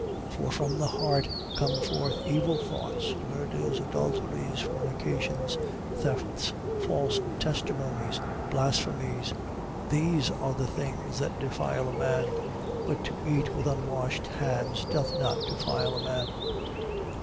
15:19. For from the heart come forth evil thoughts, murders, adulteries, fornications, thefts, false testimonies, blasphemies. 15:20. These are the things that defile a man. But to eat with unwashed hands doth not defile a man.